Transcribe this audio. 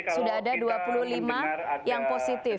sudah ada dua puluh lima yang positif